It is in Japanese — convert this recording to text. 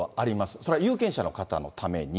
それは有権者の方のために。